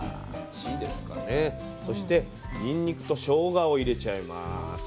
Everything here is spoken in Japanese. そしてにんにくとしょうがを入れちゃいます。